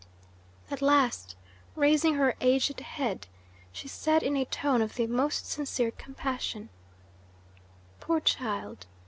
At last, raising her aged head, she said in a tone of the most sincere compassion: "Poor child!